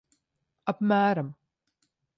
Apmēram.